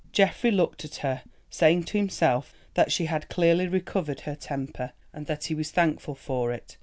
Geoffrey looked at her, saying to himself that she had clearly recovered her temper, and that he was thankful for it.